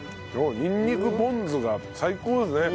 にんにくポン酢が最高ですね。